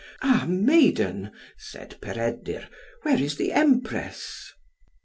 "Ah! maiden," said Peredur, "where is the Empress?"